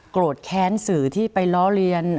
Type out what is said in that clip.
โกรธแค้นสื่อที่ไปล้อเลียน